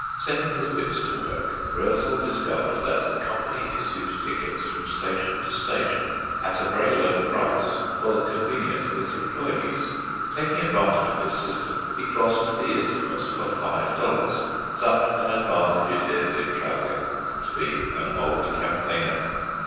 Setting his wits to work, Roezl discovered that the company issued tickets from station to station at a very low price for the convenience of its employés. Taking advantage of this system, he crossed the isthmus for five dollars such an advantage it is in travelling to be an old campaigner!